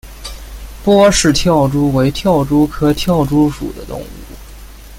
波氏跳蛛为跳蛛科跳蛛属的动物。